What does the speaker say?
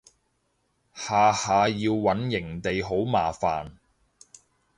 下下要搵營地好麻煩